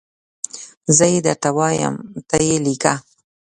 زه یي درته وایم ته یي لیکه